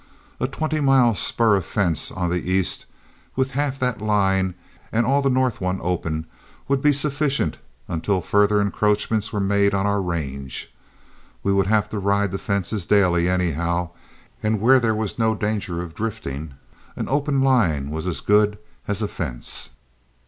A twenty mile spur of fence on the east, with half that line and all the north one open, would be sufficient until further encroachments were made on our range. We would have to ride the fences daily, anyhow, and where there was no danger of drifting, an open line was as good as a fence.